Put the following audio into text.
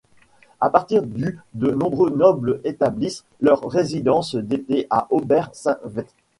À partir du de nombreux nobles établissent leur résidence d'été à Ober-St.-Veit.